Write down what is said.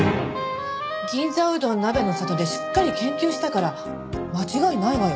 銀座うどん鍋の里でしっかり研究したから間違いないわよ。